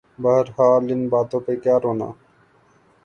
بہرحال ان باتوں پہ کیا رونا۔